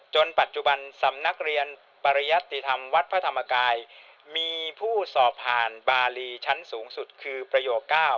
ปัจจุบันสำนักเรียนปริยัตติธรรมวัดพระธรรมกายมีผู้สอบผ่านบารีชั้นสูงสุดคือประโยค๙